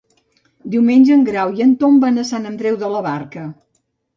Diumenge en Grau i en Tom van a Sant Andreu de la Barca.